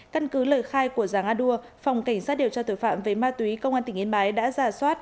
căn cứ lời khai của giàng a đua phòng cảnh sát điều tra tội phạm về ma túy công an tỉnh yên bái đã giả soát